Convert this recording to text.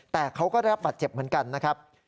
แต่เขาก็ได้รับบาดเจ็บเหมือนกันนะครับ